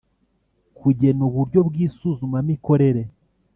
kugena uburyo bw isuzumamikorere